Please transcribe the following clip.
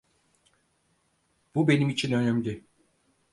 Bu benim için önemli.